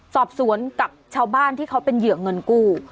สอบสวนกับชาวบ้านที่เขาเป็นเหยื่อเงินกู้